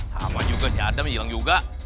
sama juga si adam hilang juga